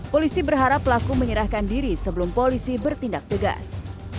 polisi berharap pelaku menyerahkan diri sebelum polisi bertindak tegas